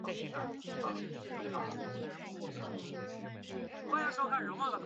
本名融成。